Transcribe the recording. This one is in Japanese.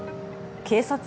警察？